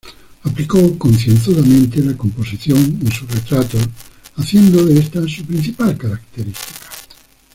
Aplicó concienzudamente la composición en sus retratos, haciendo de esta su principal característica.